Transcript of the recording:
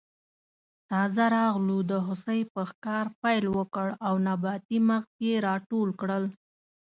تازه راغلو د هوسۍ په ښکار پیل وکړ او نباتي مغز یې راټول کړل.